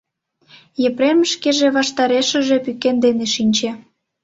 Епрем шкеже ваштарешыже пӱкен дене шинче.